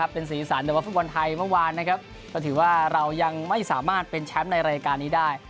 เป็นสีสันแต่ว่าฟุตบอลไทยเมื่อวานนะครับก็ถือว่าเรายังไม่สามารถเป็นแชมป์ในรายการนี้ได้